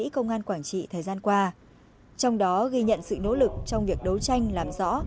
công an quảng trị thời gian qua trong đó ghi nhận sự nỗ lực trong việc đấu tranh làm rõ